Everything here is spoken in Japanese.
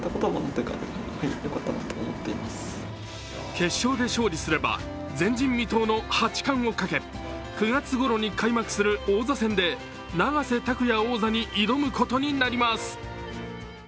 決勝で勝利すれば前人未到の八冠をかけ９月ごろに開幕する王座戦で永瀬拓矢王座に挑むことになります。